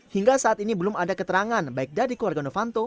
hingga saat ini belum ada keterangan baik dari keluarga novanto